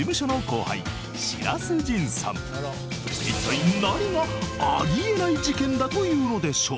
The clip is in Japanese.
［いったい何があり得ない事件だというのでしょう］